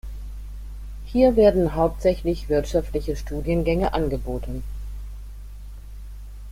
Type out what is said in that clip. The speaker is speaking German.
Hier werden hauptsächlich wirtschaftliche Studiengänge angeboten.